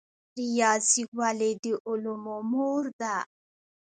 ریاضي ولې د علومو مور ده؟